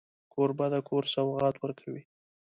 کوربه د کور سوغات ورکوي.